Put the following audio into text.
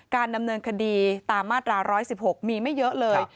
การดำเนินคดีตามมาตรา๑๑๖มีไม่เยอะเลย